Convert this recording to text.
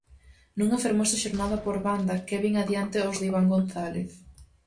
Nunha fermosa xornada por banda, Kevin adianta aos de Iván González.